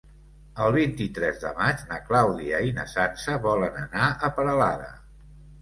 El vint-i-tres de maig na Clàudia i na Sança volen anar a Peralada.